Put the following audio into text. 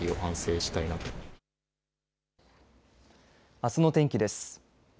あすの天気です。